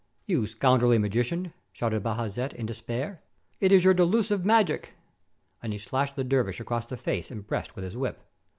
"You scoundrelly magician!" shouted Bajazet in de spair, "it is your delusive magic!" And he slashed the dervish across the face and breast with his whip.